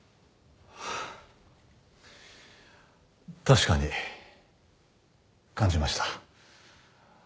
確かに感じました。